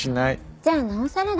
じゃあなおさらだ。